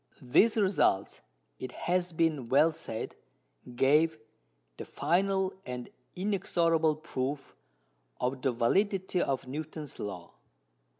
These results, it has been well said, gave "the final and inexorable proof" of the validity of Newton's Law.